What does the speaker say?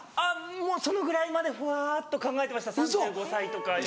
もうそのぐらいまでふわっと考えてました３５歳とかで。